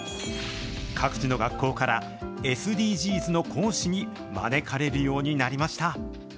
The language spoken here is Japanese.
各地の学校から、ＳＤＧｓの講師に招かれるようになりました。